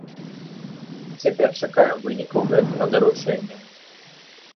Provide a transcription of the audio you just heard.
Цяпер чакаем вынікаў гэтага даручэння.